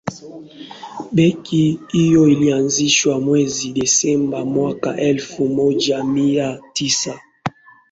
benki hiyo ilianzishwa mwezi desemba mwaka elfu moja mia tisa